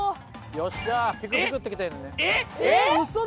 よっしゃ！